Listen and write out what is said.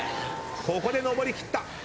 ここで上りきった。